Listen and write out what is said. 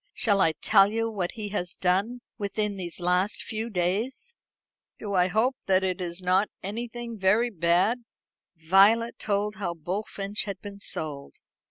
Shall I tell you what he has done within these last few days?" "Do. I hope it is not anything very bad." Violet told how Bullfinch had been sold.